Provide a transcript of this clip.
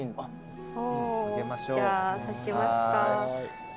じゃあさしますか。